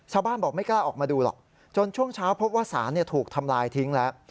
ชาวบ้านบอกไม่กล้าออกมาดูหรอกจนช่วงเช้าพบว่าสารถูกทำลายทิ้งแล้ว